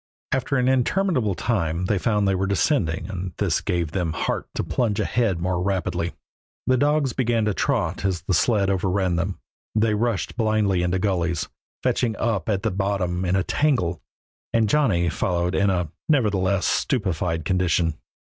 After an interminable time they found they were descending and this gave them heart to plunge ahead more rapidly. The dogs began to trot as the sled overran them; they rushed blindly into gullies, fetching up at the bottom in a tangle, and Johnny followed in a nerveless, stupefied condition.